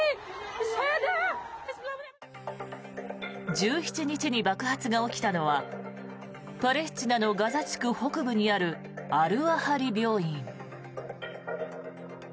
１７日に爆発が起きたのはパレスチナのガザ地区北部にあるアルアハリ病院。